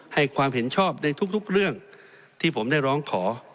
ให้ความเห็นชอบในทุกเรื่องที่ผมได้ร้องขอ